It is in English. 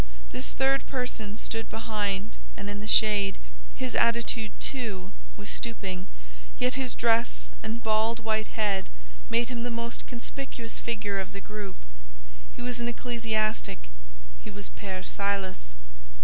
This third person stood behind and in the shade, his attitude too was stooping, yet his dress and bald white head made him the most conspicuous figure of the group. He was an ecclesiastic: he was Père Silas.